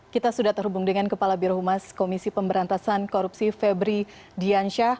kita sudah terhubung dengan kepala birohumas komisi pemberantasan korupsi febri diansyah